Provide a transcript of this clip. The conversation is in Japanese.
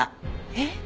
えっ！？